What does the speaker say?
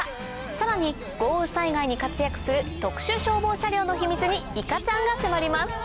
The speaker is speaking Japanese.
さらに豪雨災害に活躍する特殊消防車両の秘密にいかちゃんが迫ります。